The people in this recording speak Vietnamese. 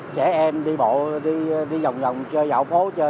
trẻ em đi bộ đi vòng vòng chơi vào phố chơi